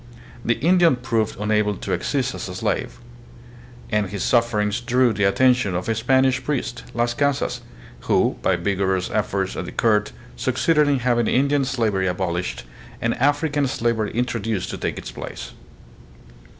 The Indian proved unable to exist as a slave. And his sufferings drew the' attention of a Spanish priest, Las Casas, who by vigorous efforts at the court succeeded in having Indian slavery abolished and African slavery introduced to take its place.